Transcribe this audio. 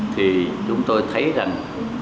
thì chúng tôi thấy rằng